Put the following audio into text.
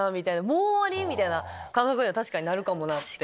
もう終わり？みたいな感覚には確かになるかもなって。